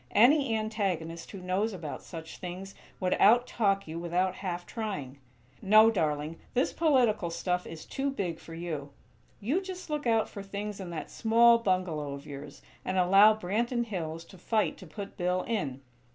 Any antagonist who knows about such things would out talk you without half trying. No, darling, this political stuff is too big for you. You just look out for things in that small bungalow of yours, and allow Branton Hills to fight to put Bill in.